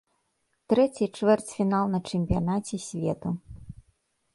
Трэці чвэрцьфінал на чэмпіянаце свету.